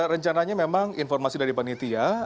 rencananya memang informasi dari panitia